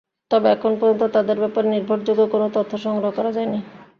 তবে এখন পর্যন্ত তাঁদের ব্যাপারে নির্ভরযোগ্য কোনো তথ্য সংগ্রহ করা যায়নি।